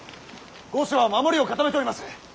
御所は守りを固めております。